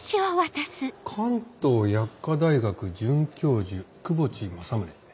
「関東薬科大学准教授窪地政宗」。